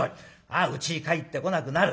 うちに帰ってこなくなる。